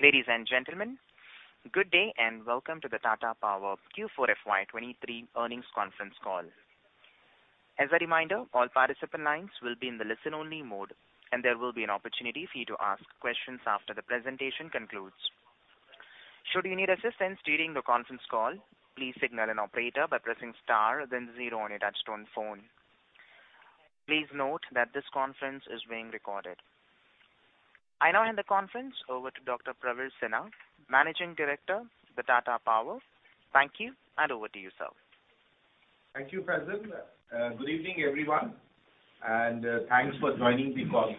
Ladies and gentlemen, good day, and welcome to the Tata Power Q4 FY23 Earnings conference call. As a reminder, all participant lines will be in the listen only mode, and there will be an opportunity for you to ask questions after the presentation concludes. Should you need assistance during the conference call, please signal an operator by pressing star then zero on your touchtone phone. Please note that this conference is being recorded. I now hand the conference over to Dr. Praveer Sinha, Managing Director with Tata Power. Thank you, and over to you, sir. Thank you, Praveen. Good evening, everyone, thanks for joining the call.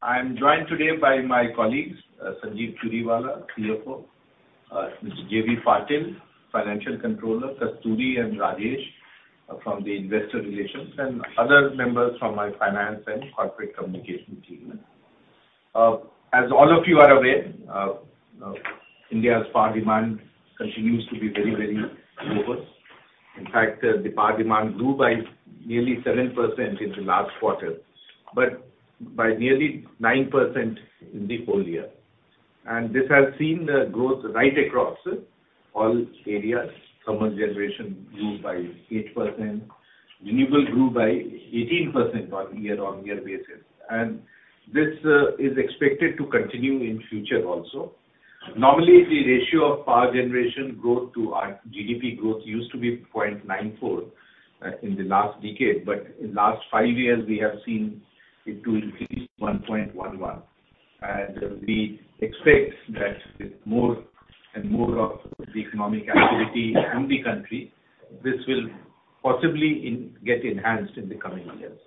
I'm joined today by my colleagues, Sanjeev Churiwala, CFO, Mr. J.V. Patil, Financial Controller, Kasturi and Rajesh from the Investor Relations, other members from my finance and corporate communication team. As all of you are aware, India's power demand continues to be very, very robust. In fact, the power demand grew by nearly 7% in the last quarter, by nearly 9% in the whole year. This has seen growth right across all areas. Thermal generat.on grew by 8%. Renewable grew by 18% on year-on-year basis. This is expected to continue in future also. Normally, the ratio of power generation growth to our GDP growth used to be 0.94 in the last decade, in last five years we have seen it to reach 1.11. We expect that with more and more of the economic activity in the country, this will possibly get enhanced in the coming years.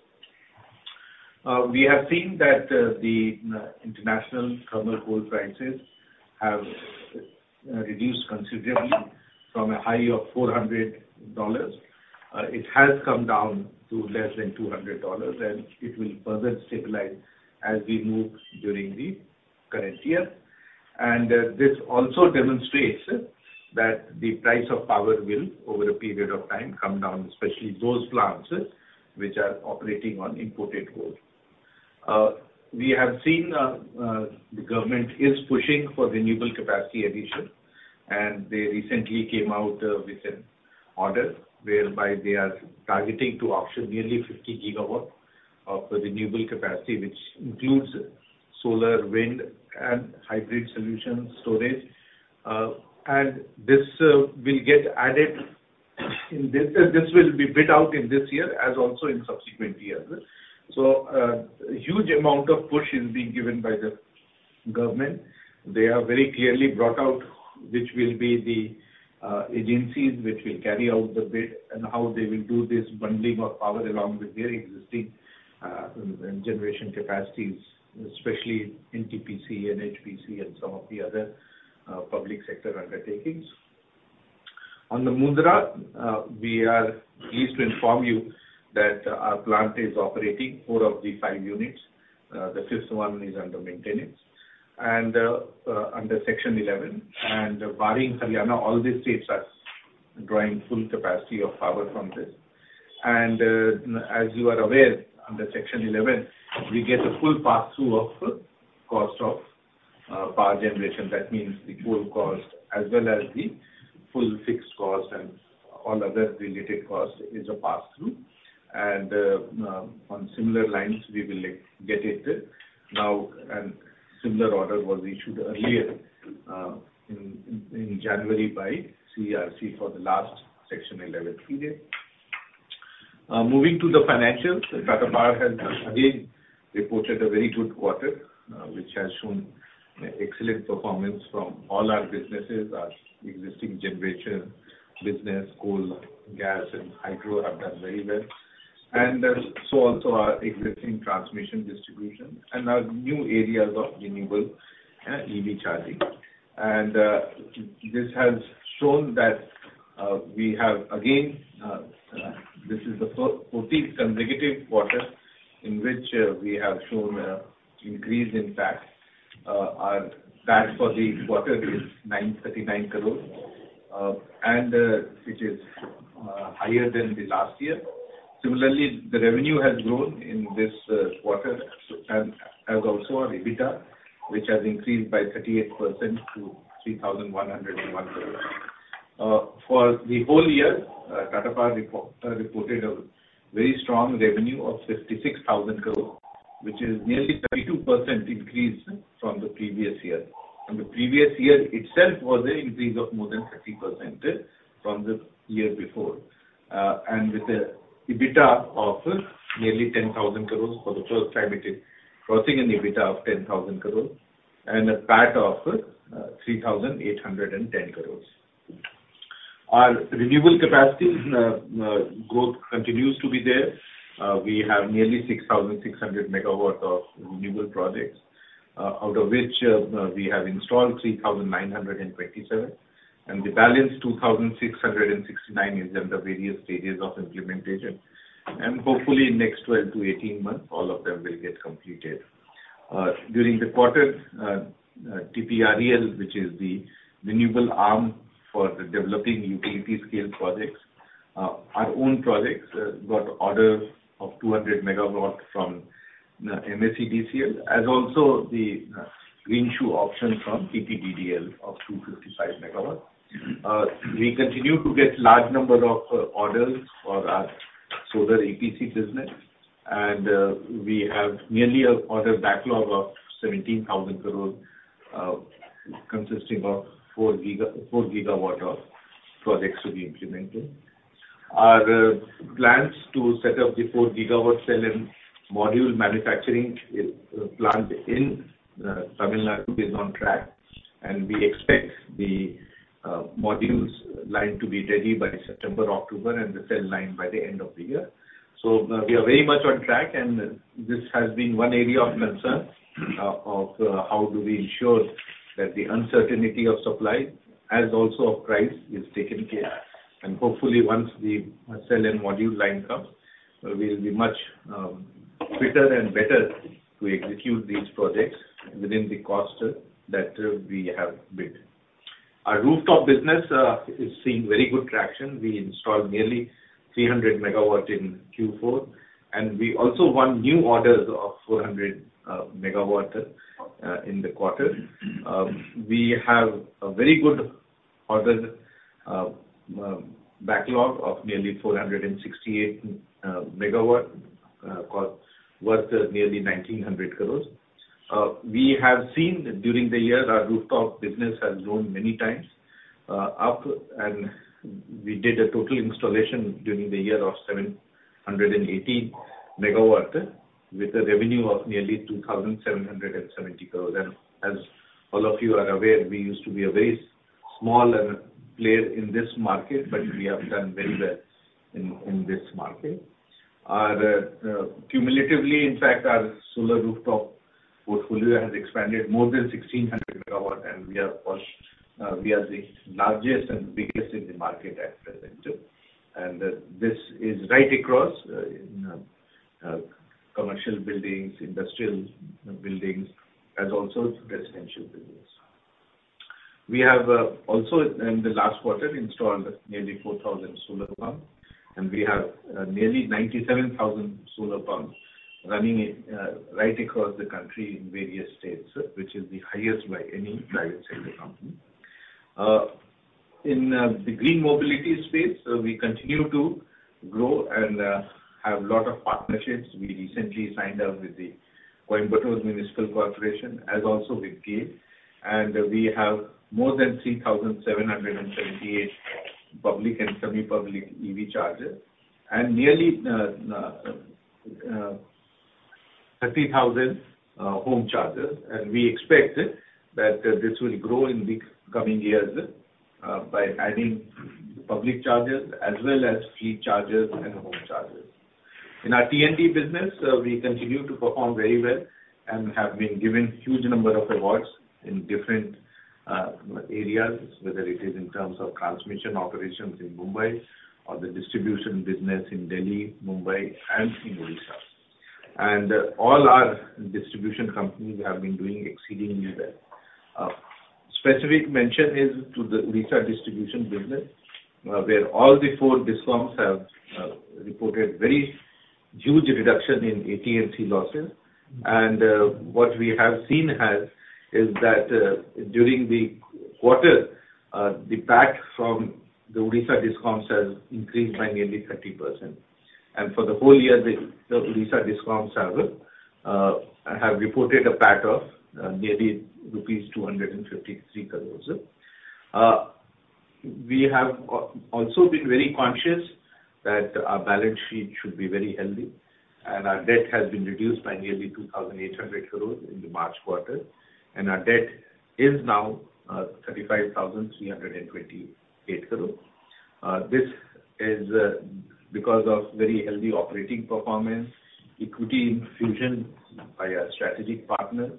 We have seen that the international thermal coal prices have reduced considerably from a high of $400. It has come down to less than $200, it will further stabilize as we move during the current year. This also demonstrates tha. the price of power will, over a period of time, come down, especially those plants which are operating on imported coal. We have seen the government is pushing for renewable capacity addition. They recently came out with an order whereby they are targeting to auction nearly 50 GW of renewable capacity, which includes solar, wind and hybrid solution storage. This will get added in this. This will be bid out in this year as also in subsequent years. Huge amount of push is being given by the government. They have very clearly brought out which will be the agencies which will carry out the bid and how they will do this bundling of power along with their existing generation capacities, especially NTPC, NHPC and some of the other public sector undertakings. On the Mundra, we are pleased to inform you that our plant is operating four of the five units. The fifth one is under maintenance. Under Section 11 and barring Haryana, all the states are drawing full capacity of power from this. As you are aware, under Section 11, we get a full passthrough of cost of power generation. That means the full cost as well as the full fixed cost and all other related costs is a passthrough. On similar lines, we will get it now. Similar order was issued earlier in January by CERC for the last Section 11 period. Moving to the financials, Tata Power has again reported a very good quarter, which has shown excellent performance from all our businesses. Our existing generation business, coal, gas and hydro have done very well. So also our existing transmission distribution and our new areas of renewable and EV charging. This has shown that we have again, this is the fourth consecutive quarter in which we have shown a increase in PAT. Our PAT for the quarter is 939 crore and which is higher than the last year. Similarly, the revenue has grown in this quarter and has also our EBITDA, which has increased by 38% to 3,101 crore. For the whole year, Tata Power reported a very strong revenue of 66,000 crore, which is nearly 32% increase from the previous year. The previous year itself was a increase of more than 30% from the year before. With the EBITDA of nearly 10,000 crores for the first time, it is crossing an EBITDA of 10,000 crore and a PAT of 3,810 crores. Our renewable capacity growth continues to be there. We have nearly 6,600 MW of renewable projects, out of which we have installed 3,927, and the balance 2,669 is under various stages of implementation. Hopefully next 12 to 18 months, all of them will get completed. During the quarter, TPREL, which is the renewable arm for developing utility scale projects. Our own projects got orders of 200 MW from MSEDCL, and also the RenSyu option from TPDDL of 255 MW. We continue to get large number of orders for our solar EPC business. We have nearly an order backlog of 17,000 crore, consisting of 4 GW of projects to be implemented. Our plans to set up the 4 GW cell and module manufacturing plant in Tamil Nadu is on track, and we expect the modules line to be ready by September, October, and the cell line by the end of the year. We are very much on track, and this has been one area of concern of how do we ensure that the uncertainty of supply, as also of price, is taken care. Hopefully, once the cell and module line comes, we'll be much fitter and better to execute these projects within the cost that we have bid. Our rooftop business is seeing very good traction. We installed nearly 300 MW in Q4, and we also won new orders of 400 MW in the quarter. We have a very good orders backlog of nearly 468 MW cost worth nearly 1,900 crores. We have seen during the year our rooftop business has grown many times up, and we did a total installation during the year of 780 MW with a revenue of nearly 2,770 crores. As all of you are aware, we used to be a very small player in this market, but we have done very well in this market. Our cumulatively, in fact, our solar rooftop portfolio has expanded more than 1,600 MW and we are first, we are the largest and biggest in the market at present. This is right across, in commercial buildings, industrial buildings, as also residential buildings. We have also in the last quarter, installed nearly 4,000 solar pumps, and we have nearly 97,000 solar pumps running right across the country in various states, which is the highest by any private sector company. In the green mobility space, we continue to grow and have lot of partnerships. We recently signed up with the Coimbatore City Municipal Corporation, as also with GE. We have more than 3,778 public and semi-public EV chargers. Nearly 30,000 home chargers. We expect that this will grow in the coming years by adding public chargers as well as fleet chargers and home chargers. In our T&D business, we continue to perform very well and have been given huge number of awards in different areas, whether it is in terms of transmission operations in Mumbai or the distribution business in Delhi, Mumbai, and in Orissa. All our distribution companies have been doing exceedingly well. Specific mention is to the Orissa distribution business, where all the four DISCOMs have reported very huge reduction in AT&C losses. What we have seen has is that during the quarter, the PAT from the Orissa DISCOMs has increased by nearly 30%. For the whole year, the Orissa DISCOMs have reported a PAT of nearly rupees 253 crores. We have also been very conscious that our balance sheet should be very healthy, and our debt has been reduced by nearly 2,800 crore in the March quarter. Our debt is now 35,328 crore. This is because of very healthy operating performance, equity infusion by our strategic partner,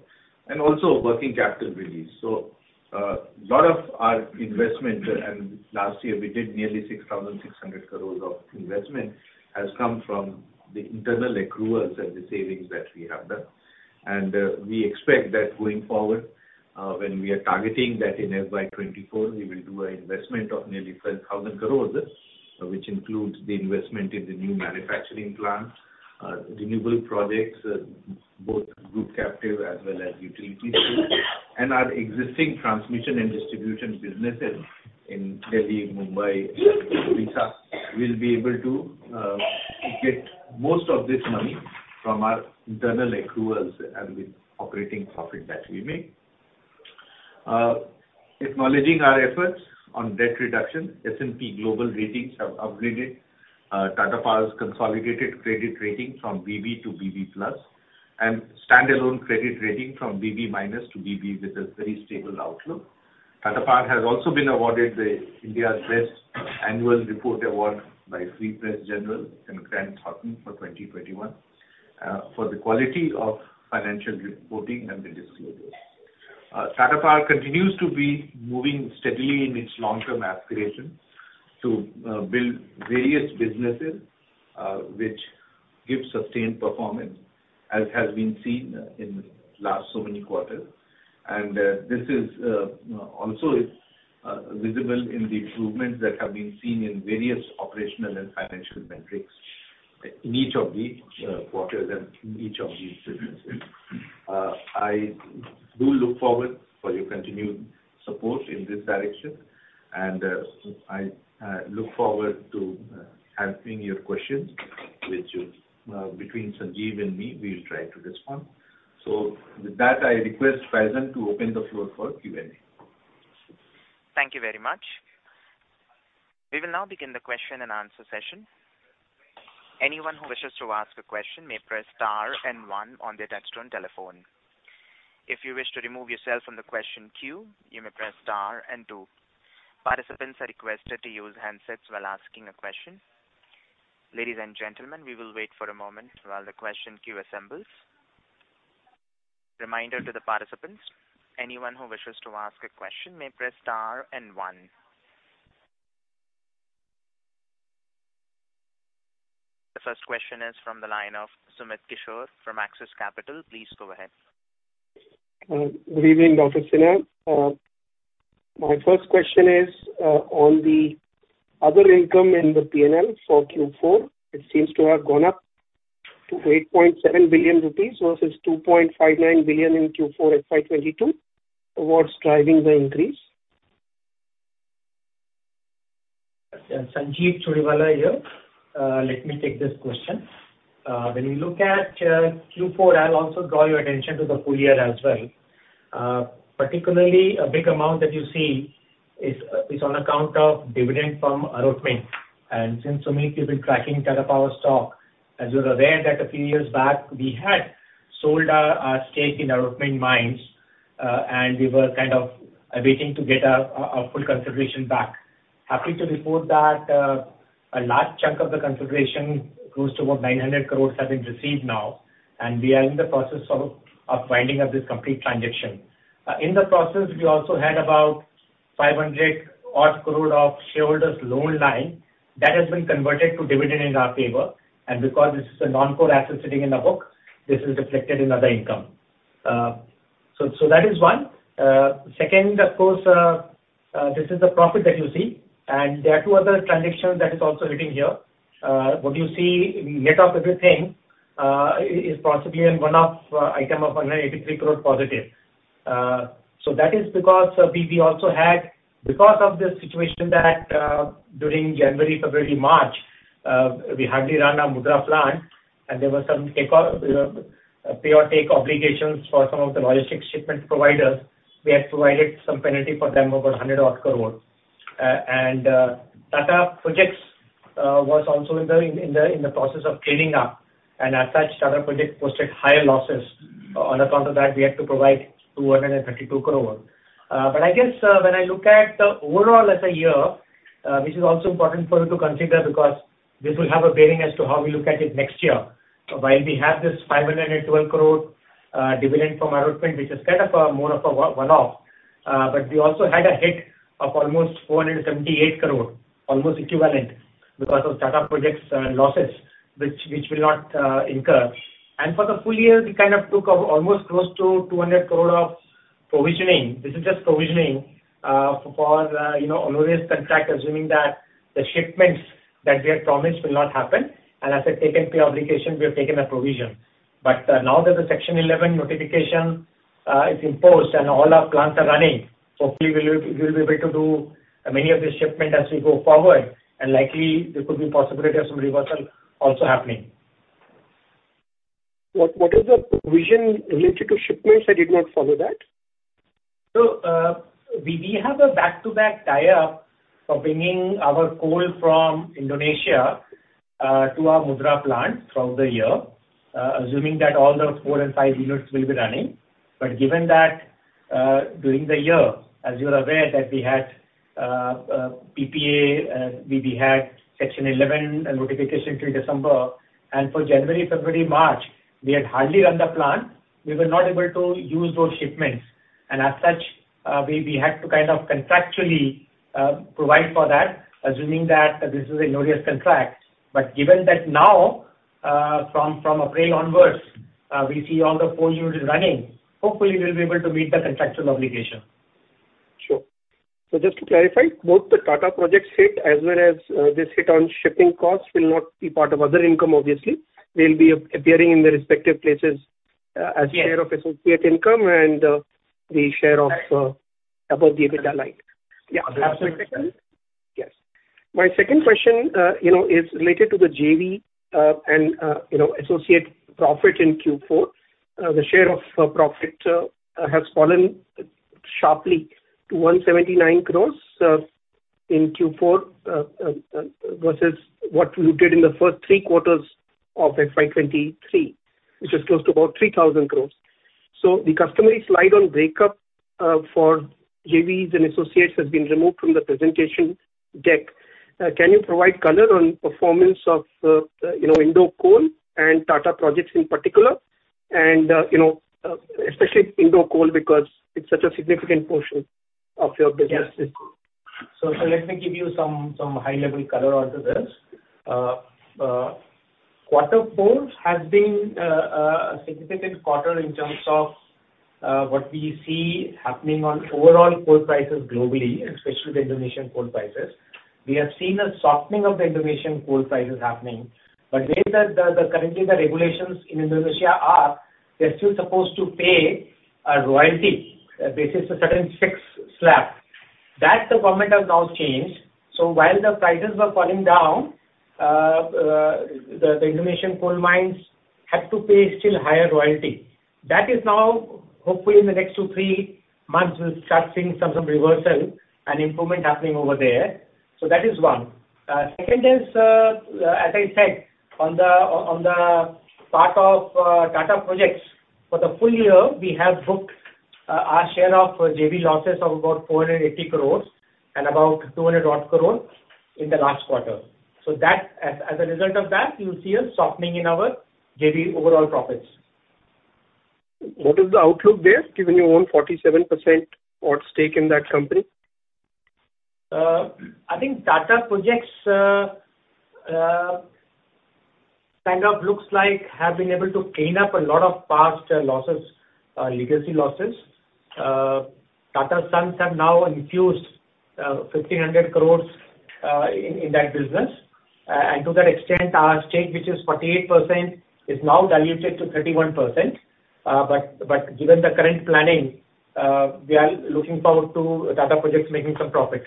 and also working capital release. Lot of our investment, and last year we did nearly 6,600 crore of investment, has come from the internal accruals and the savings that we have done. We expect that going forward, when we are targeting that in FY 2024, we will do a investment of nearly 12,000 crore, which includes the investment in the new manufacturing plant, renewable projects, both group captive as well as utility scale. Our existing transmission and distribution businesses in Delhi, Mumbai, and Orissa will be able to get most of this money from our internal accruals and with operating profit that we make. Acknowledging our efforts on debt reduction, S&P Global Ratings have upgraded Tata Power's consolidated credit rating from BB to BB+, and standalone credit rating from BB- to BB, with a very stable outlook. Tata Power has also been awarded the India's Best Annual Report award by The Free Press Journal and Grant Thornton for 2021, for the quality of financial reporting and the disclosures. Tata Power continues to be moving steadily in its long-term aspiration to build various businesses, which... Give sustained performance as has been seen in last so many quarters. This is also visible in the improvements that have been seen in various operational and financial metrics in each of the quarters and in each of these businesses. I do look forward for your continued support in this direction, and I look forward to answering your questions which between Sanjeev and me, we will try to respond. With that, I request Farzan to open the floor for Q&A. Thank you very much. We will now begin the question and answer session. Anyone who wishes to ask a question may press star and one on their touchtone telephone. If you wish to remove yourself from the question queue, you may press star and two. Participants are requested to use handsets while asking a question. Ladies and gentlemen, we will wait for a moment while the question queue assembles. Reminder to the participants, anyone who wishes to ask a question may press star and one. The first question is from the line of Sumit Kishore from Axis Capital. Please go ahead. Good evening, Dr. Sinha. My first question is on the other income in the P&L for Q4. It seems to have gone up to 8.7 billion rupees versus 2.59 billion in Q4 FY 2022. What's driving the increase? Yes, Sanjeev Churiwala here. Let me take this question. When you look at Q4, I'll also draw your attention to the full year as well. Particularly a big amount that you see is on account of dividend from Arutmin. Since Sumit, you've been tracking Tata Power stock, as you're aware that a few years back we had sold our stake in Arutmin Mines, and we were kind of awaiting to get our full consideration back. Happy to report that a large chunk of the consideration, close to about 900 crore, have been received now, and we are in the process of winding up this complete transaction. In the process, we also had about 500 odd crore of shareholders loan line that has been converted to dividend in our favor. Because this is a non-core asset sitting in the book, this is reflected in other income. So that is one. Second, of course, this is a profit that you see, and there are two other transactions that is also sitting here. What you see net of everything is possibly a one-off item of 183 crore positive. So that is because we also had because of the situation that during January, February, March, we hardly ran our Mundra plant and there were some take, you know, pay or take obligations for some of the logistics shipment providers. We had provided some penalty for them of 100 odd crore. Tata Projects was also in the process of cleaning up. As such, Tata Projects posted higher losses. On account of that, we had to provide 232 crore. I guess, when I look at overall as a year, which is also important for you to consider because this will have a bearing as to how we look at it next year. While we have this 512 crore dividend from Arutmin, which is kind of a more of a one-off, but we also had a hit of almost 478 crore, almost equivalent because of Tata Projects' losses which will not incur. For the full year, we kind of took almost close to 200 crore of provisioning. This is just provisioning for, you know, on-risk contract, assuming that the shipments that we had promised will not happen. As a take and pay obligation, we have taken a provision. Now that the Section 11 notification is imposed and all our plants are running, hopefully we'll be able to do many of the shipment as we go forward and likely there could be possibility of some reversal also happening. What is the provision related to shipments? I did not follow that. We have a back-to-back tie-up for bringing our coal from Indonesia to our Mundra plant throughout the year, assuming that all the four and five units will be running. Given that during the year, as you're aware, that we had PPA, we had Section Eleven notification till December, and for January, February, March, we had hardly run the plant. We were not able to use those shipments. As such, we had to kind of contractually provide for that, assuming that this is an on-risk contract. Given that now, from April onwards, we see all the four units running, hopefully we'll be able to meet the contractual obligation. Sure. Just to clarify, both the Tata Projects hit as well as this hit on shipping costs will not be part of other income obviously. They'll be appearing in the respective places. Yes. as share of associate income and, the share of, other dividend line. Yeah. Absolutely. My second question. Yes. My second question, you know, is related to the JV, and, you know, associate profit in Q4. The share of profit has fallen sharply to 179 crores, in Q4, versus what you did in the first 3 quarters of FY 2023, which is close to about 3,000 crores. So the customary slide on breakup, for JVs and associates has been removed from the presentation deck. Can you provide color on performance of, you know, Indonesian coal and Tata Projects in particular? And, you know, especially Indonesian coal because it's such a significant portion of your business. Let me give you some high level color onto this. quarter four has been a significant quarter in terms of what we see happening on overall coal prices globally, especially the Indonesian coal prices. We have seen a softening of the Indonesian coal prices happening. Way that the currently the regulations in Indonesia are, they're still supposed to pay a royalty. This is a certain fixed slab. That the government has now changed. While the prices were falling down, the Indonesian coal mines had to pay still higher royalty. That is now hopefully in the next two, three months, we'll start seeing some reversal and improvement happening over there. That is one. Second is, as I said, on the part of Tata Projects, for the full year, we have booked our share of JV losses of about 480 crores and about 200 odd crore in the last quarter. That's as a result of that, you'll see a softening in our JV overall profits. What is the outlook there, given you own 47% odd stake in that company? I think Tata Projects kind of looks like have been able to clean up a lot of past losses, legacy losses. Tata Sons have now infused 1,500 crores in that business. To that extent, our stake, which is 48%, is now diluted to 31%. Given the current planning, we are looking forward to Tata Projects making some profit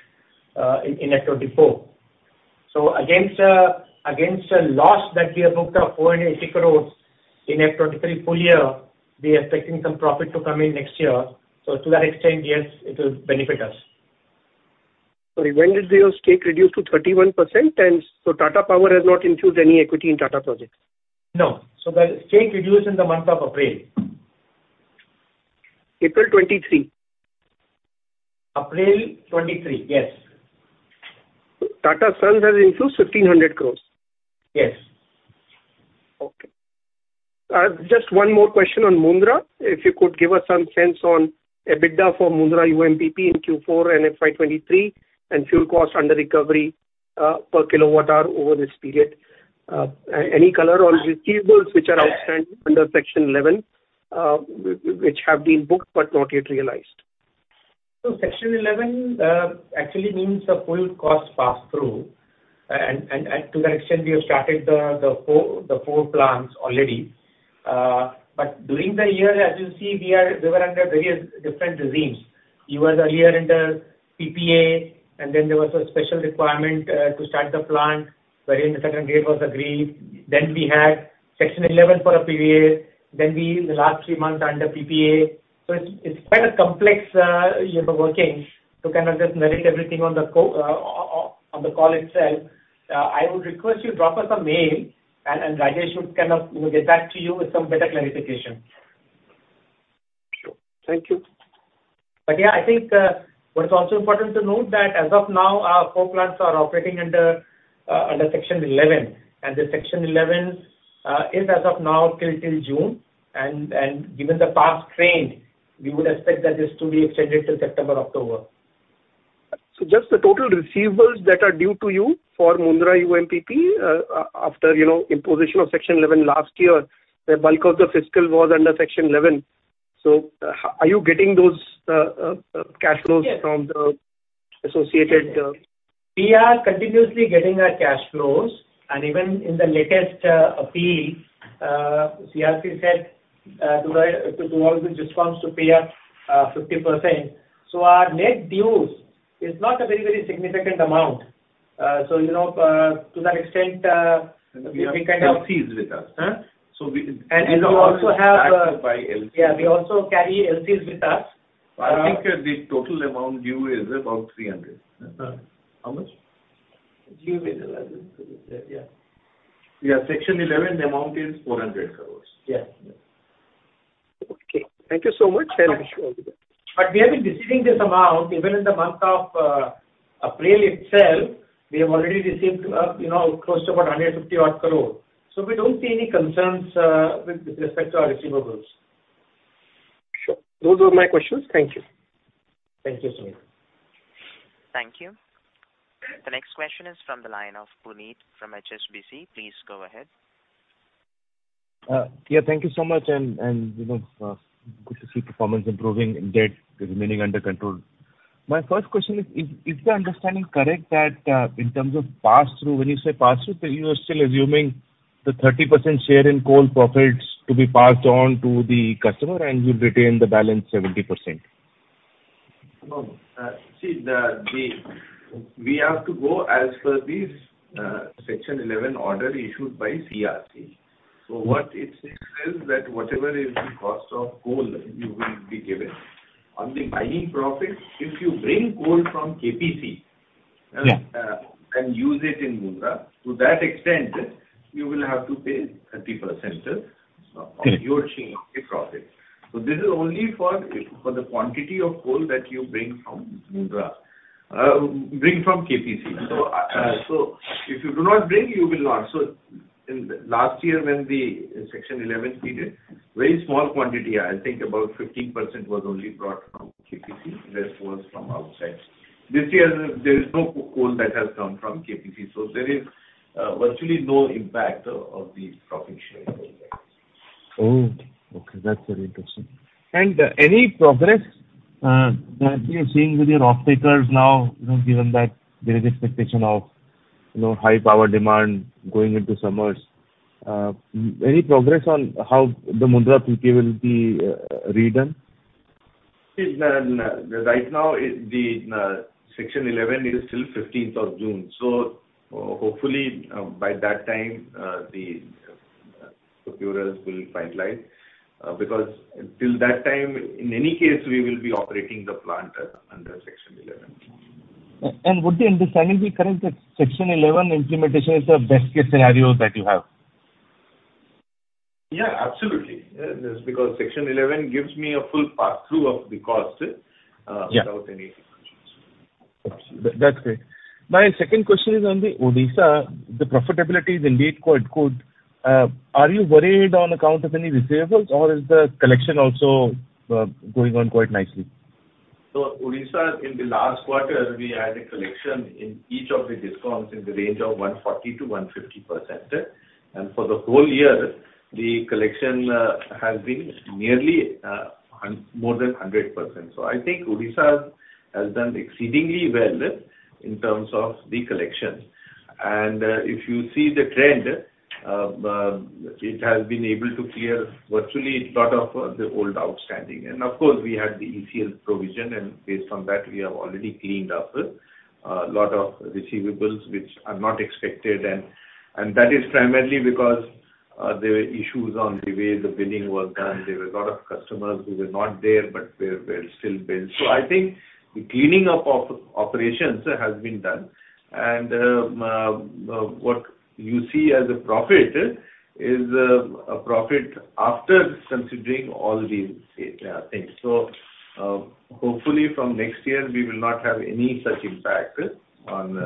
in 2024. Against a loss that we have booked of 480 crores in 2023 full year, we are expecting some profit to come in next year. To that extent, yes, it will benefit us. Sorry, when did your stake reduce to 31%? Tata Power has not infused any equity in Tata Projects? No. The stake reduced in the month of April. April 23. April 23, yes. Tata Sons has infused 1,500 crores? Yes. Okay. Just one more question on Mundra. If you could give us some sense on EBITDA for Mundra UMPP in Q4 and FY 2023 and fuel cost under recovery per kilowatt hour over this period. Any color on receivables which are outstanding under Section 11 which have been booked but not yet realized? Section Eleven actually means the full cost pass-through. To that extent, we have started the 4 plants already. During the year, as you see, they were under various different regimes. You were a year under PPA, then there was a special requirement to start the plant, wherein the second grade was agreed. We had Section Eleven for a period, then we in the last 3 months are under PPA. It's quite a complex, you know, working to kind of just narrate everything on the call itself. I would request you drop us a mail and Rajesh would kind of, you know, get back to you with some better clarification. Sure. Thank you. Yeah, I think, what's also important to note that as of now, our four plants are operating under Section 11. The Section 11 is as of now till June. Given the past trend, we would expect that this to be extended till September, October. Just the total receivables that are due to you for Mundra UMPP, after, you know, imposition of Section 11 last year, the bulk of the fiscal was under Section 11. Are you getting those cash flows? Yes. from the associated, We are continuously getting our cash flows. Even in the latest appeal, CERC said to all the DISCOMs to pay 50%. Our net dues is not a very significant amount. You know, to that extent, we. We have LCs with us. Huh? So we- We also have. Started by LCs. Yeah, we also carry LCs with us. I think, the total amount due is about 300. How much? Due to 11, yeah. Yeah, Section Eleven amount is 400 crores. Yeah. Okay. Thank you so much. Wish you all the best. We have been receiving this amount even in the month of April itself. We have already received, you know, close to about 150 odd crore. We don't see any concerns with respect to our receivables. Sure. Those were my questions. Thank you. Thank you, Sumit. Thank you. The next question is from the line of Puneet from HSBC. Please go ahead. Yeah, thank you so much. You know, good to see performance improving and debt remaining under control. My first question is the understanding correct that in terms of pass-through, when you say pass-through, you are still assuming the 30% share in coal profits to be passed on to the customer and you retain the balance 70%? No. See, we have to go as per this Section 11 order issued by CERC. What it says is that whatever is the cost of coal, you will be given. On the mining profits, if you bring coal from KPC- Yeah. use it in Mundra, to that extent, you will have to pay 30% of your share of the profit. This is only for the quantity of coal that you bring from Mundra. Bring from KPC. If you do not bring, you will not. In the last year when the Section 11 faded, very small quantity, I think about 15% was only brought from KPC, rest was from outside. This year there is no coal that has come from KPC. There is virtually no impact of the profit sharing arrangement. Oh, okay. That's very interesting. Any progress that you're seeing with your off-takers now, you know, given that there is expectation of, you know, high power demand going into summers. Any progress on how the Mundra IPP will be redone? See, right now Section Eleven is till 15th of June. Hopefully, by that time, the procurers will finalize. Because until that time, in any case, we will be operating the plant under Section Eleven. Would the understanding be correct that Section 11 implementation is the best case scenario that you have? Yeah, absolutely. Because Section 11 gives me a full pass-through of the cost. Yeah. without any restrictions. That's great. My second question is on the Odisha. The profitability is indeed quite good. Are you worried on account of any receivables, or is the collection also, going on quite nicely? Odisha, in the last quarter, we had a collection in each of the DISCOMs in the range of 140%-150%. For the whole year, the collection has been nearly more than 100%. I think Odisha has done exceedingly well in terms of the collection. If you see the trend, it has been able to clear virtually a lot of the old outstanding. Of course, we had the ECL provision, and based on that, we have already cleaned up a lot of receivables which are not expected. That is primarily because there were issues on the way the billing was done. There were a lot of customers who were not there, but were still billed. I think the cleaning up of operations has been done. What you see as a profit is a profit after considering all these things. Hopefully from next year we will not have any such impact on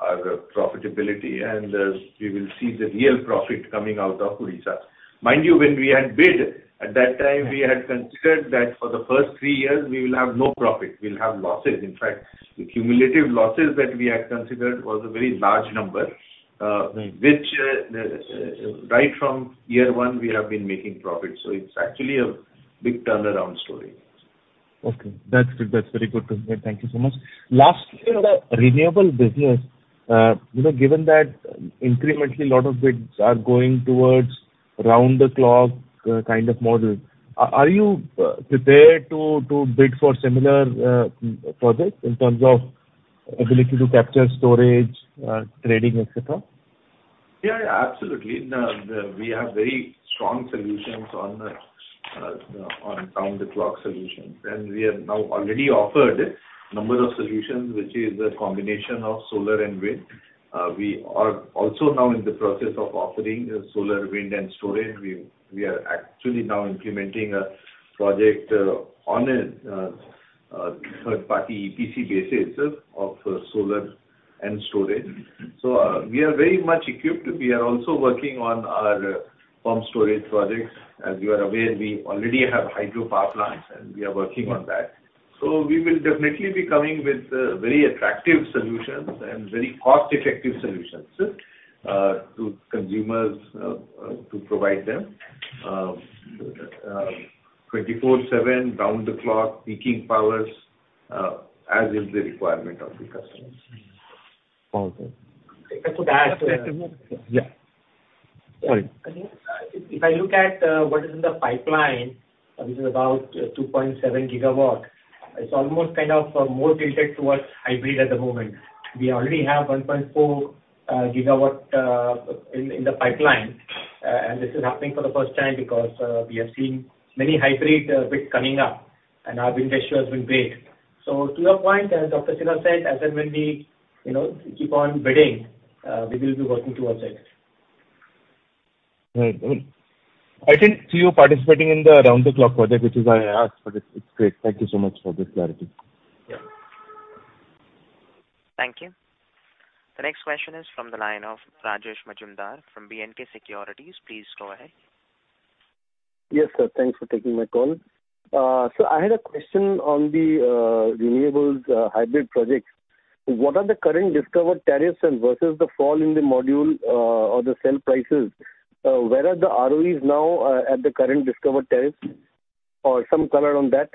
our profitability, and we will see the real profit coming out of Odisha. Mind you, when we had bid, at that time we had considered that for the first three years we will have no profit, we'll have losses. In fact, the cumulative losses that we had considered was a very large number. Right. which, right from year one, we have been making profits. It's actually a big turnaround story. Okay. That's good. That's very good to hear. Thank you so much. Lastly, on our renewable business, you know, given that incrementally lot of bids are going towards round the clock kind of model, are you prepared to bid for similar projects in terms of ability to capture storage, trading, et cetera? Yeah, absolutely. We have very strong solutions on round the clock solutions. We have now already offered number of solutions, which is a combination of solar and wind. We are also now in the process of offering solar, wind and storage. We are actually now implementing a project on a third party EPC basis of solar and storage. We are very much equipped. We are also working on our Pumped Storage projects. As you are aware, we already have hydropower plants and we are working on that. We will definitely be coming with very attractive solutions and very cost effective solutions to consumers to provide them 24/7 round the clock peaking powers as is the requirement of the customers. Awesome. If I could add. Yeah. Sorry. If I look at what is in the pipeline, this is about 2.7 GW. It's almost kind of more tilted towards hybrid at the moment. We already have 1.4 GW in the pipeline. This is happening for the first time because we have seen many hybrid bids coming up and our win ratio has been great. To your point, as Dr. Sinha said, as and when we, you know, keep on bidding, we will be working towards it. Right. I didn't see you participating in the round the clock project, which is why I asked, but it's great. Thank you so much for the clarity. Yeah. Thank you. The next question is from the line of Rajesh Majumdar from B&K Securities. Please go ahead. Yes, sir. Thanks for taking my call. I had a question on the renewables hybrid project. What are the current discovered tariffs and versus the fall in the module or the cell prices? Where are the ROEs now at the current discovered tariffs? Some color on that.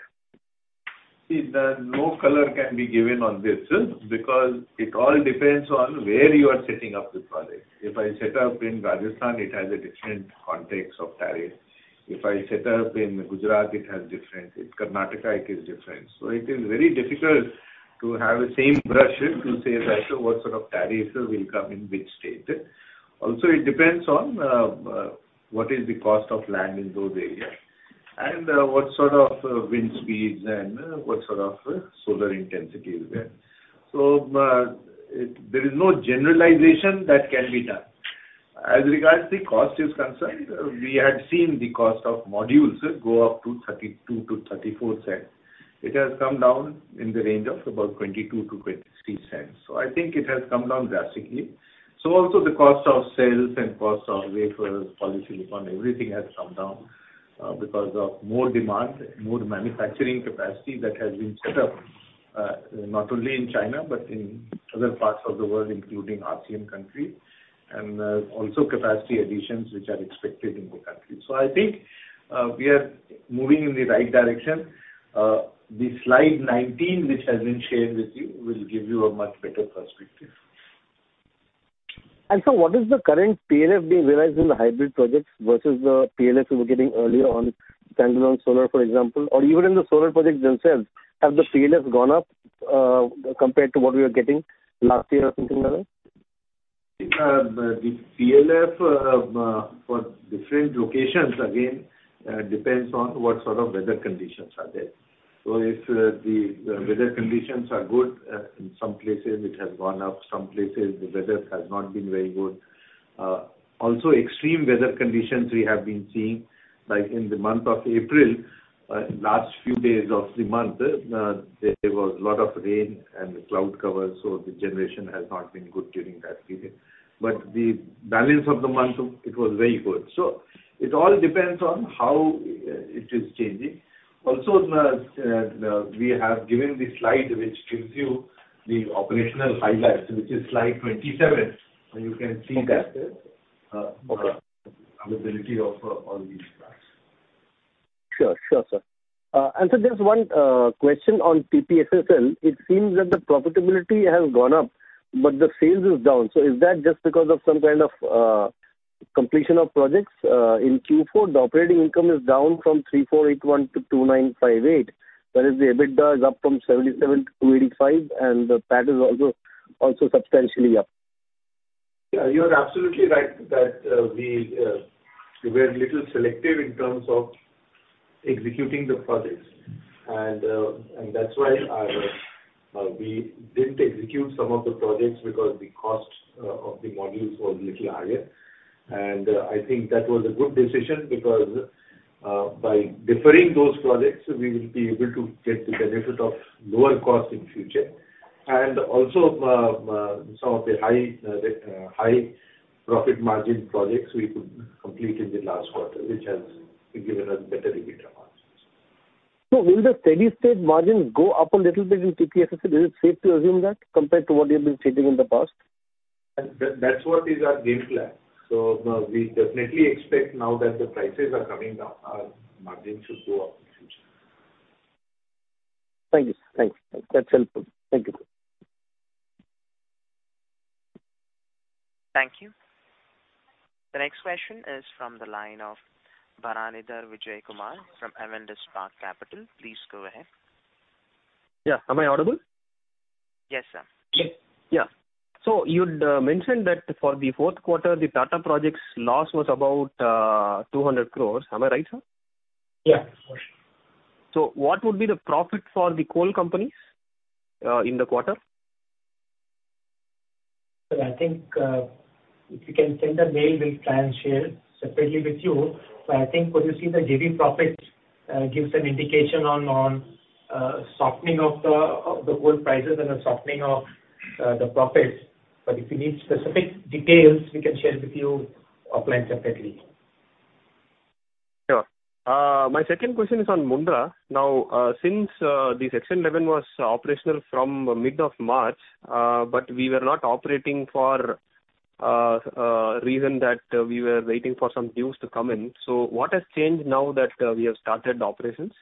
The no color can be given on this because it all depends on where you are setting up the project. If I set up in Rajasthan, it has a different context of tariff. If I set up in Gujarat, it has different. If Karnataka, it is different. It is very difficult to have the same brush to say that what sort of tariffs will come in which state. It depends on what is the cost of land in those areas and what sort of wind speeds and what sort of solar intensity is there. There is no generalization that can be done. As regards the cost is concerned, we had seen the cost of modules go up to 32-34 cents. It has come down in the range of about 22-23 cents. I think it has come down drastically. Also the cost of cells and cost of wafers, polysilicon, everything has come down. Because of more demand, more manufacturing capacity that has been set up, not only in China but in other parts of the world, including RCM country, and also capacity additions which are expected in the country. I think we are moving in the right direction. The slide 19, which has been shared with you, will give you a much better perspect.ve. What is the current PLF being realized in the hybrid projects versus the PLF you were getting earlier on standalone solar, for example? Or even in the solar projects themselves, have the PLFs gone up compared to what we were getting last year or something like that? The PLF for different locations, again, depends on what sort of weather conditions are there. If the weather conditions are good, in some places it has gone up, some places the weather has not been very good. Also extreme weather conditions we have been seeing, like in the month of April, last few days of the month, there was a lot of rain and cloud cover, so the generation has not been good during that period. The balance of the month, it was very good. It all depends on how it is changing. Also, we have given the slide which gives you the operational highlights, which is slide 27. You can see that. Okay. Okay. Availability of all these graphs. Sure. Sure, sir. There's one question on TPSSL. It seems that the profitability has gone up, but the sales is down. Is that just because of some kind of completion of projects? In Q4, the operating income is down from 3,481 to 2,958, whereas the EBITDA is up from 77 to 285, and the PAT is also substantially up. Yeah, you are absolutely right that we were a little selective in terms of executing the projects. That's why we didn't execute some of the projects because the cost of the modules was little higher. I think that was a good decision because by deferring those projects, we will be able to get the benefit of lower cost in future. Also, some of the high profit margin projects we could complete in the last quarter, which has given us better EBITDA margins. Will the steady-state margins go up a little bit in TPSSL? Is it safe to assume that compared to what you've been stating in the past? That's what is our game plan. We definitely expect now that the prices are coming down, our margins should go up in future. Thank you, sir. Thanks. That's helpful. Thank you. Thank you. The next question is from the line of Varanidhar Vijayakumar from Avendus Spark Capital. Please go ahead. Yeah. Am I audible? Yes, sir. Yeah. you'd mentioned that for the Q4, the Tata Projects loss was about 200 crore. Am I right, sir? Yeah. Of course. What would be the profit for the coal companies in the quarter? If you can send a mail, we'll try and share separately with you. When you see the JV profits, gives an indication on softening of the coal prices and a softening of the profits. If you need specific details, we can share it with you offline separately. Sure. My second question is on Mundra. Now, since, the Section 11 was operational from mid of March, but we were not operating for, a reason that we were waiting for some dues to come in. What has changed now that, we have started the operations?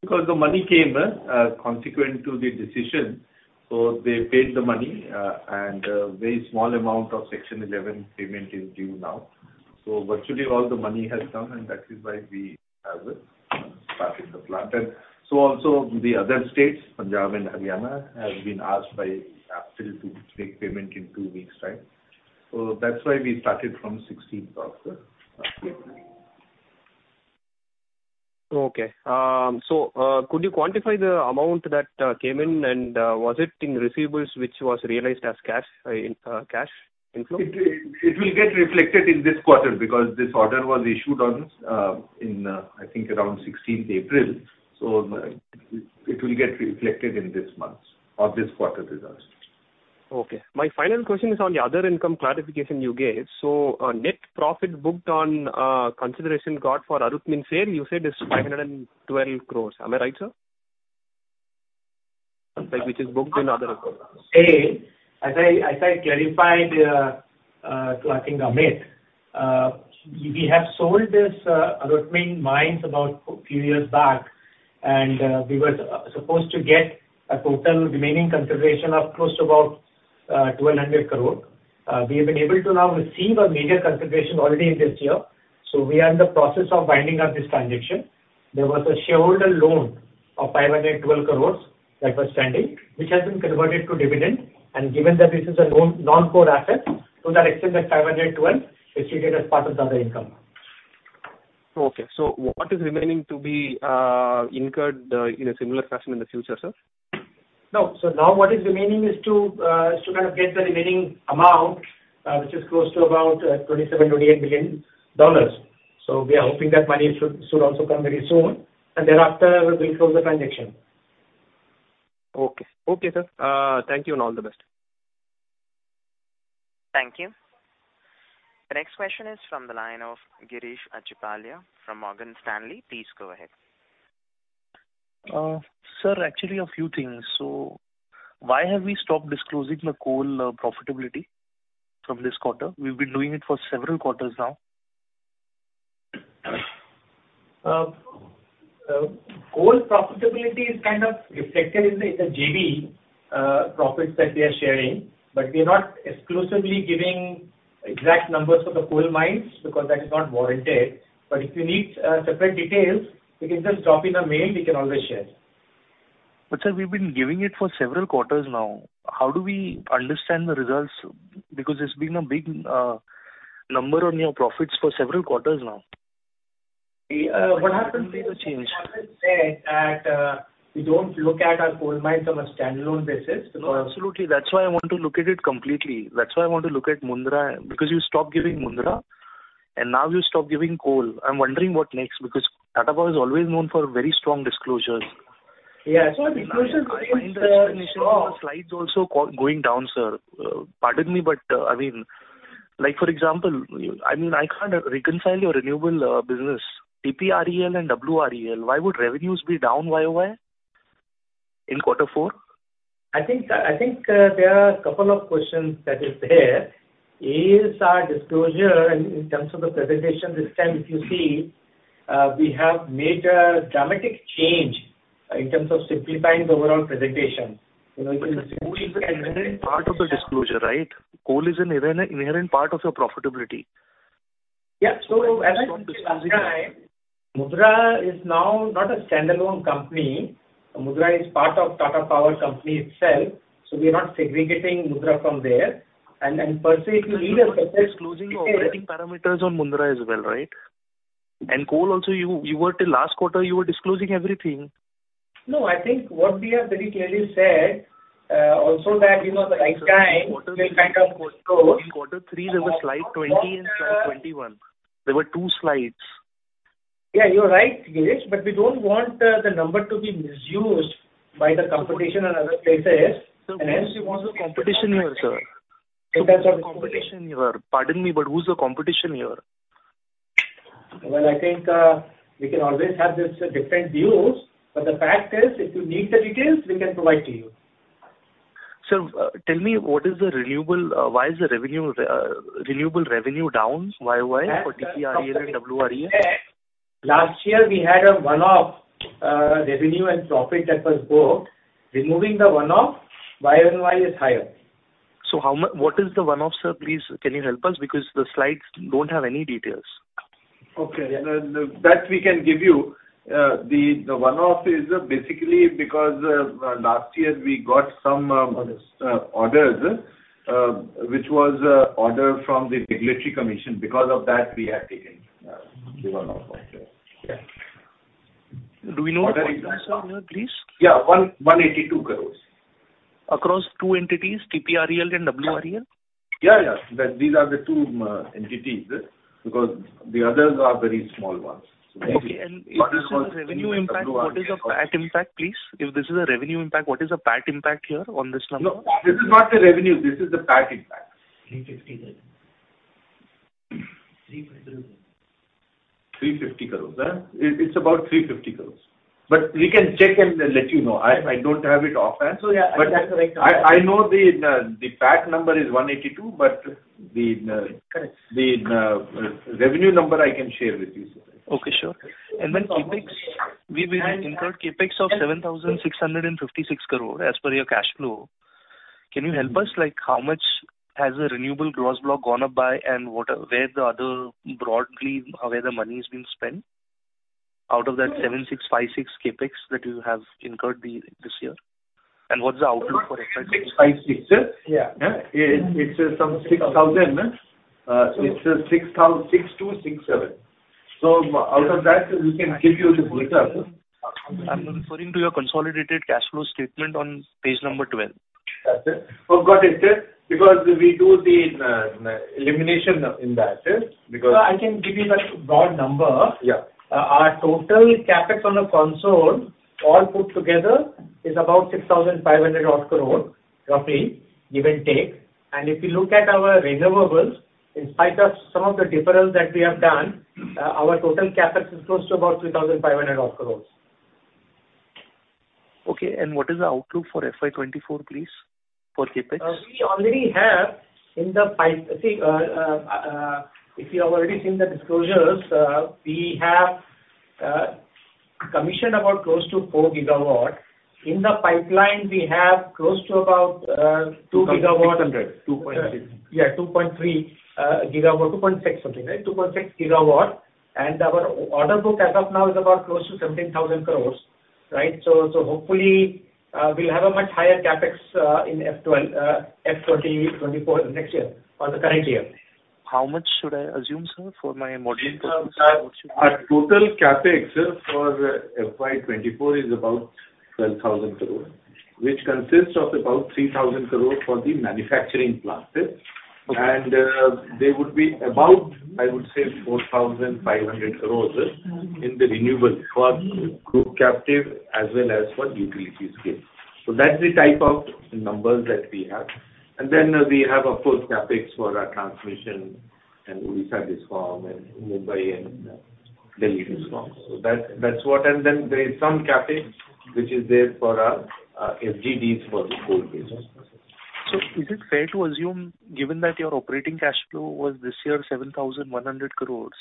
Because the money came, consequent to the decision, so they paid the money, and a very small amount of Section 11 payment is due now. Virtually all the money has come, and that is why we have started the plant. Also the other states, Punjab and Haryana, have been asked by APTEL to make payment in 2 weeks' time. That's why we started from 16th of April. Okay. Could you quantify the amount that came in? Was it in receivables, which was realized as cash, in cash inflow? It will get reflected in this quarter because this order was issued on, in, I think around 16th April. It will get reflected in this month's or this quarter's results. My final question is on the other income clarification you gave. Net profit booked on consideration got for Arutmin sale, you said is 512 crores. Am I right, sir? Which is booked in other income. As I clarified, to I think Sumit, we have sold this Arutmin Mines about a few years back, and we were supposed to get a total remaining consideration of close to about 200 crore. We have been able to now receive a major consideration already in this year. We are in the process of winding up this transaction. There was a shareholder loan of 512 crore that was standing, which has been converted to dividend. Given that this is a non-core asset, that excess of 512 is treated as part of the other income. Okay. What is remaining to be incurred in a similar fashion in the future, sir? No. Now what is remaining is to kind of get the remaining amount, which is close to about $27 million-$28 million. We are hoping that money should also come very soon. Thereafter, we'll close the transaction. Okay. Okay, sir. Thank you and all the best. Thank you. The next question is from the line of Girish Acharya from Morgan Stanley. Please go ahead. Sir, actually a few things. Why have we stopped disclosing the coal profitability from this quarter? We've been doing it for several quarters now. Coal profitability is kind of reflected in the JV profits that we are sharing, but we are not exclusively giving exact numbers for the coal mines because that is not warranted. If you need separate details, you can just drop in a mail, we can always share. Sir, we've been giving it for several quarters now. How do we understand the results? It's been a big number on your profits for several quarters now. Yeah, what happens is. Why the change? we always said that, we don't look at our coal mines on a standalone basis because. No, absolutely. That's why I want to look at it completely. That's why I want to look at Mundra, because you stopped giving Mundra, and now you stopped giving coal. I'm wondering what next, because Tata Power is always known for very strong disclosures. Yeah. our disclosures- I find the explanation on the slides also going down, sir. Pardon me, but, I mean, like for example, I mean, I can't reconcile your renewable business. TPREL and WREL, why would revenues be down YOY in quarter four? I think, there are a couple of questions that is there. A, is our disclosure in terms of the presentation this time, if you see, we have made a dramatic change in terms of simplifying the overall presentation. You know. The coal is an inherent part of the disclosure, right? Coal is an inherent part of your profitability. Yeah. As I said last time, Mundra is now not a standalone company. Mundra is part of Tata Power company itself, we are not segregating Mundra from there. Per se, if you need a separate- You were disclosing operating parameters on Mundra as well, right? Coal also, you were till last quarter, you were disclosing everything. No, I think what we have very clearly said, also that, you know, the right time will kind of close. In Q3, there was slide 20 and slide 21. There were two slides. Yeah, you're right, Girish. We don't want the number to be misused by the competition and other places. Hence we want to. Sir, who's the competition here, sir? In terms of- Who's the competition here? Pardon me, but who's the competition here? Well, I think, we can always have this, different views. The fact is, if you need the details, we can provide to you. Sir, tell me why is the revenue, renewable revenue down YOY for TPREL and WREL? Last year we had a one-off, revenue and profit that was booked. Removing the one-off, YOY is higher. What is the one-off, sir? Please can you help us? Because the slides don't have any details. Okay. That we can give you. The one-off is basically because last year we got some. Orders. orders, which was order from the Regulatory Commission. Because of that, we had taken the one-off from there. Yeah. Do we know the amount, sir, please? Yeah. 182 crores. Across 2 entities, TPREL and WREL? Yeah, yeah. These are the two entities. The others are very small ones. Okay. If this is a revenue impact, what is the PAT impact, please? If this is a revenue impact, what is the PAT impact here on this number? No, this is not the revenue. This is the PAT impact. 350 crores. 350 crores. 350 crores? It's about 350 crores. We can check and let you know. I don't have it offhand. Yeah, that's the right number. I know the PAT number is 182, but the. Correct. the revenue number I can share with you, sir. Okay, sure. CapEx, we've incurred CapEx of 7,656 crore as per your cash flow. Can you help us? Like, how much has the renewable gross block gone up by, and what broadly, where the money has been spent out of that 7,656 CapEx that you have incurred this year? What's the outlook for FY- 656. Yeah. It's some 6,000, it's 6,267. Out of that we can give you the breakup. I'm referring to your consolidated cash flow statement on page number 12. That's it. Oh, got it, yes. We do the elimination in that, yes. Sir, I can give you the broad number. Yeah. Our total CapEx on the console all put together is about 6,500 odd crore roughly, give and take. If you look at our renewables, in spite of some of the deferrals that we have done, our total CapEx is close to about 3,500 odd crores. Okay. What is the outlook for FY 2024, please, for CapEx? See, if you have already seen the disclosures, we have commissioned about close to 4 GW. In the pipeline, we have close to about, 2 GW. 2.6. Yeah, 2.3 GW. 2.6 something, right? 2.6 GW. Our order book as of now is about close to 17,000 crores, right? Hopefully, we'll have a much higher CapEx in F 2024, next year or the current year. How much should I assume, sir, for my modeling purposes? In terms of our total CapEx, sir, for FY 2024 is about 12,000 crore, which consists of about 3,000 crore for the manufacturing plants. Okay. There would be about, I would say, 4,500 crores in the renewables for group captive as well as for utility scale. That's the type of numbers that we have. Then we have, of course, CapEx for our transmission and Odisha DISCOM and Mumbai and The leading strong. That's what. Then there is some CapEx which is there for our FGDs for the coal business. Is it fair to assume, given that your operating cash flow was this year 7,100 crores?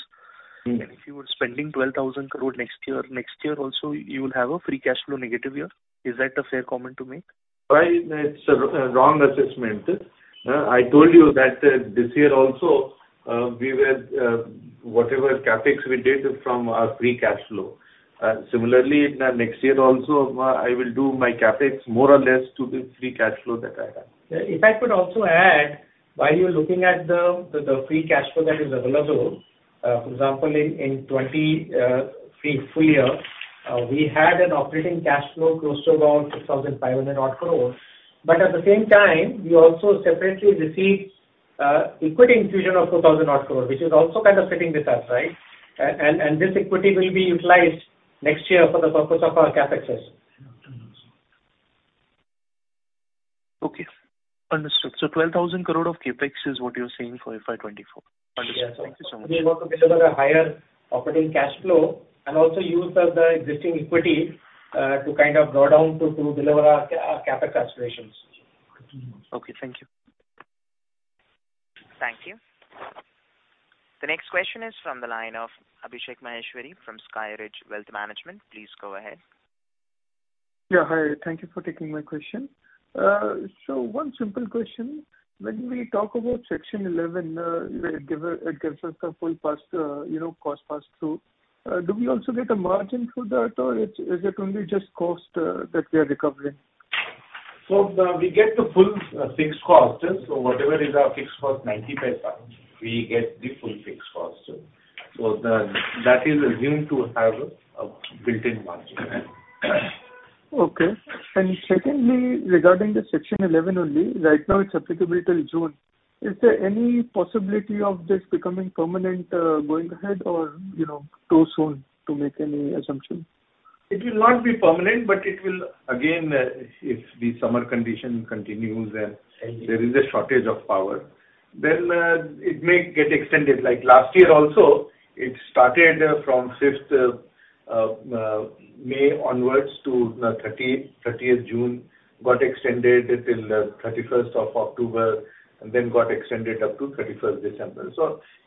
Mm-hmm. If you were spending 12,000 crore next year, next year also you will have a free cash flow negative year? Is that a fair comment to make? Right. It's a wrong assessment. I told you that this year also, we were, whatever CapEx we did is from our free cash flow. Similarly, next year also, I will do my CapEx more or less to the free cash flow that I have. If I could also add, while you're looking at the free cash flow that is available, for example, in 2023 full year, we had an operating cash flow close to around 6,500 odd crore, but at the same time, we also separately received equity infusion of 2,000 odd crore, which is also kind of sitting with us, right? This equity will be utilized next year for the purpose of our CapExes. Okay. Understood. 12,000 crore of CapEx is what you're saying for FY 2024. Understood. Yes. Thank you so much. We want to deliver a higher operating cash flow and also use the existing equity, to kind of draw down to deliver our CapEx aspirations. Okay. Thank you. Thank you. The next question is from the line of Abhishek Maheshwari from SkyRidge Wealth Management. Please go ahead. Yeah. Hi. Thank you for taking my question. One simple question. When we talk about Section 11, it gives us a full pass, you know, cost pass-through. Do we also get a margin for that, or is it only just cost that we are recovering? We get the full fixed cost. Whatever is our fixed cost 95%, we get the full fixed cost. That is assumed to have a built-in margin. Okay. Secondly, regarding the Section 11 only, right now it's applicable till June. Is there any possibility of this becoming permanent, going ahead or, you know, too soon to make any assumption? It will not be permanent, but it will again, if the summer condition continues and. Okay. there is a shortage of power, then, it may get extended. Like last year also, it started from fifth May onwards to 30th June, got extended till 31st of October, and then got extended up to 31st December.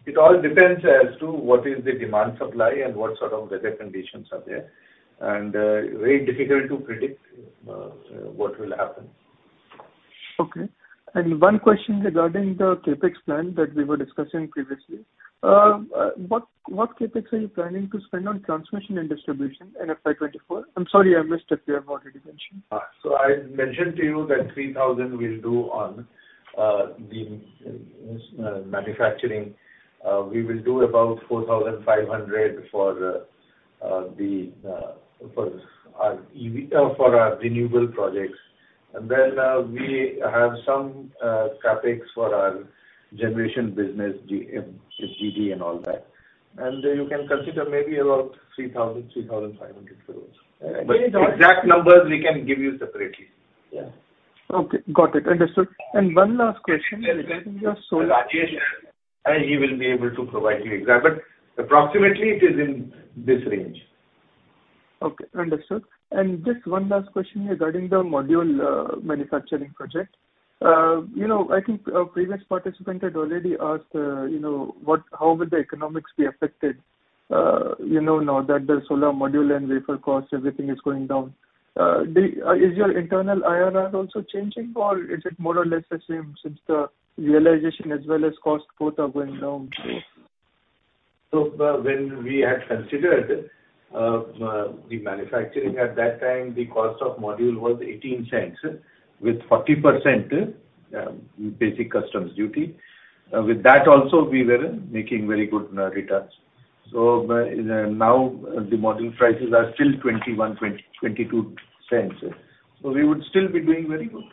it all depends as to what is the demand-supply and what sort of weather conditions are there. very difficult to predict what will happen. Okay. One question regarding the CapEx plan that we were discussing previously. What CapEx are you planning to spend on transmission and distribution in FY 24? I'm sorry, I missed if you have already mentioned. I mentioned to you that 3,000 crore we'll do on the manufacturing. We will do about 4,500 crore for our EV for our renewable projects. We have some CapEx for our generation business, GM, FGD and all that. You can consider maybe about 3,000-3,500 crore. Exact numbers we can give you separately. Yeah. Okay. Got it. Understood. One last question regarding your solar- Rajesh, he will be able to provide you exact, but approximately it is in this range. Okay. Understood. Just one last question regarding the module manufacturing project. You know, I think a previous participant had already asked, you know, how would the economics be affected, you know, now that the solar module and wafer cost, everything is going down. Is your internal IRR also changing or is it more or less the same since the realization as well as cost both are going down too? When we had considered the manufacturing at that time, the cost of module was $0.18 with 40% basic customs duty. With that also we were making very good returns. Now the module prices are still $0.21-$0.22. We would still be doing very good.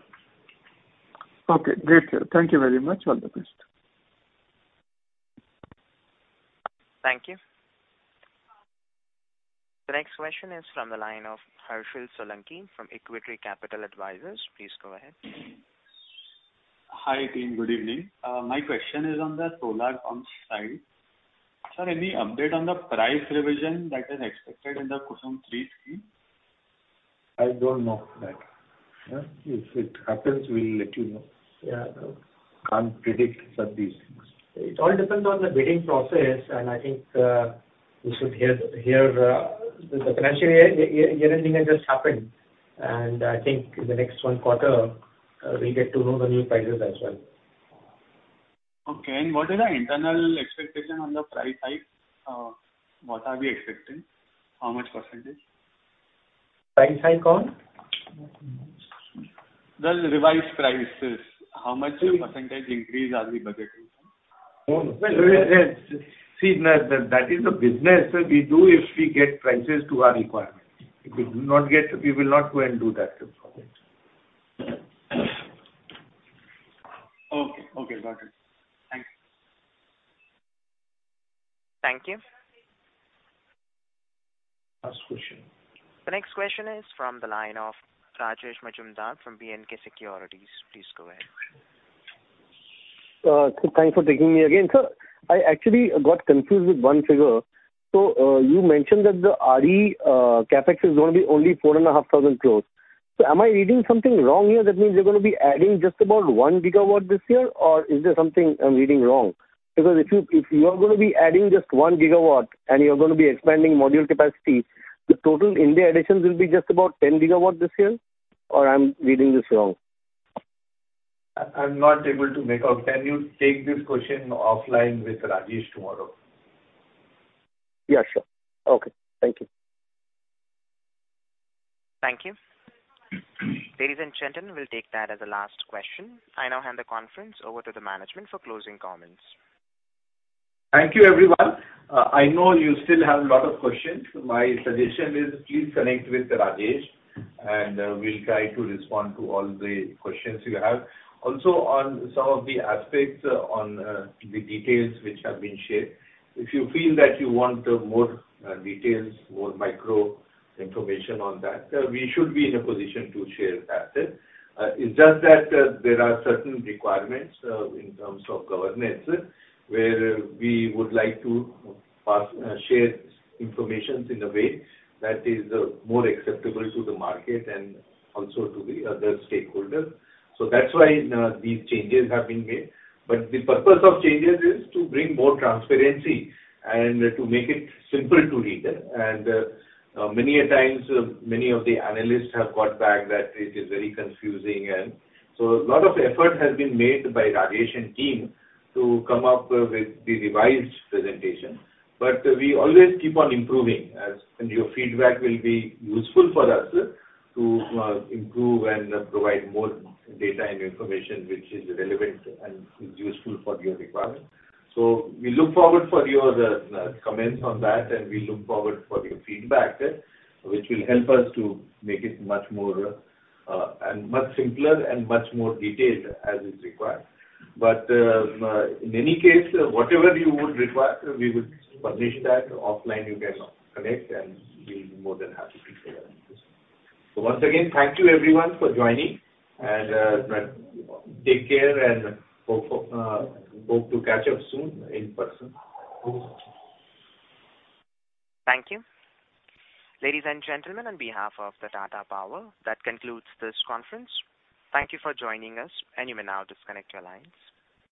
Okay. Great. Thank you very much. All the best. Thank you. The next question is from the line of Harshil Solanki from Equity Capital Advisors. Please go ahead. Hi, team. Good evening. My question is on the solar farm side. Sir, any update on the price revision that is expected in the KUSUM 3 scheme? I don't know that. If it happens we'll let you know. Yeah. Can't predict such these things. It all depends on the bidding process, and I think, we should hear, the financial year-ending has just happened, and I think in the next one quarter, we'll get to know the new prices as well. Okay. What is our internal expectation on the price hike? What are we expecting? How much %? Price hike on? The revised prices, how much % increase are we budgeting for? Well, see, that is the business we do if we get prices to our requirement. If we do not get, we will not go and do that project. Okay. Okay. Got it. Thank you. Thank you. Last question. The next question is from the line of Rajesh Majumdar from B&K Securities. Please go ahead. Thanks for taking me again. Sir, I actually got confused with one figure. You mentioned that the RE CapEx is gonna be only four and a half thousand crores. Am I reading something wrong here? That means you're gonna be adding just about 1 GW this year, or is there something I'm reading wrong? If you are gonna be adding just 1 GW and you're gonna be expanding module capacity, the total India additions will be just about 10 GW this year, or I'm reading this wrong? I'm not able to make out. Can you take this question offline with Rajesh tomorrow? Yeah, sure. Okay. Thank you. Thank you. Ladies and gentlemen, we'll take that as a last question. I now hand the conference over to the management for closing comments. Thank you, everyone. I know you still have a lot of questions. My suggestion is please connect with Rajesh, and we'll try to respond to all the questions you have. Also, on some of the aspects on the details which have been shared, if you feel that you want more details, more micro information on that, we should be in a position to share that. It's just that there are certain requirements in terms of governance, where we would like to pass share information in a way that is more acceptable to the market and also to the other stakeholders. That's why these changes have been made. The purpose of changes is to bring more transparency and to make it simple to read. Many a times, many of the analysts have got back that it is very confusing and... A lot of effort has been made by Rajesh and team to come up with the revised presentation. We always keep on improving as, and your feedback will be useful for us to improve and provide more data and information which is relevant and is useful for your requirement. We look forward for your comments on that, and we look forward for your feedback, which will help us to make it much more and much simpler and much more detailed as is required. In any case, whatever you would require, we would publish that. Offline you can connect, and we'll be more than happy to share that with you. Once again, thank you everyone for joining. Take care and hope to catch up soon in person. Thank you. Ladies and gentlemen, on behalf of the Tata Power, that concludes this conference. Thank you for joining us, and you may now disconnect your lines.